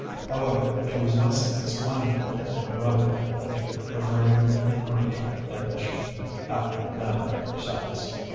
However, she was less explanatory than her brother had been, preferring inferential admission, after the manner of her sex.